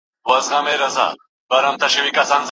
د زوی وزر په چا باندي وغوړېد؟